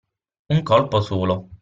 Un colpo solo.